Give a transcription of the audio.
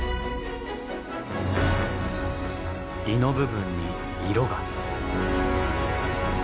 胃の部分に色が。